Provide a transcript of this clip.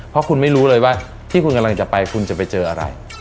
เพราะคุณไม่รู้เลยว่าที่คุณกำลังจะไปคุณจะไปเจออะไร